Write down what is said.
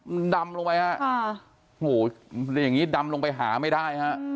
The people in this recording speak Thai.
มันดำลงไปฮะโอ้โหอย่างนี้ดำลงไปหาไม่ได้ฮะ